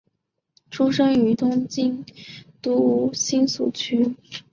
出身于东京都新宿区。